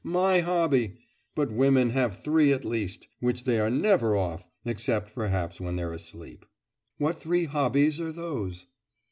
'My hobby! But women have three at least, which they are never off, except, perhaps, when they're asleep.' 'What three hobbies are those?